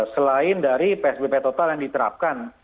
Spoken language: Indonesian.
selain dari psbb total yang diterapkan